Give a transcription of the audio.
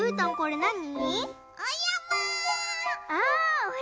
なに？